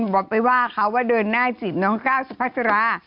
บอกไปว่าเขาว่าเดินหน้าจีบน้องก้าวสุพัสรา